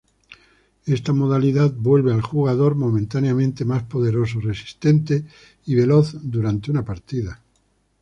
Esta modalidad vuelve al Jugador Momentáneamente Mas Poderoso, resistente y Veloz durante una Partida.